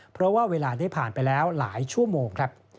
เพราะว่าเวลาได้ผ่านไปแล้วหลายชั่วโมงครับ